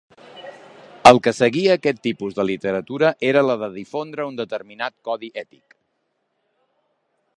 El que seguia aquest tipus de literatura era la de difondre un determinat codi ètic.